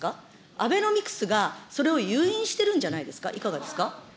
アベノミクスがそれを誘引してるんじゃないですか。